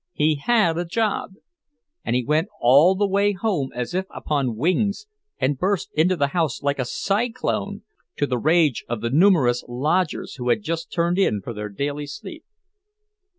He had a job! And he went all the way home as if upon wings, and burst into the house like a cyclone, to the rage of the numerous lodgers who had just turned in for their daily sleep.